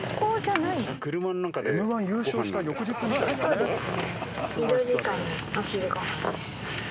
そうですね。